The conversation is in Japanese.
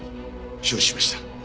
承知しました。